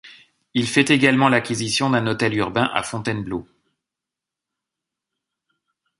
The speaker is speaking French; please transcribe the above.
Il fait également l'acquisition d'un hôtel urbain à Fontainebleau.